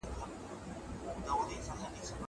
زه به سبا ليک لولم وم.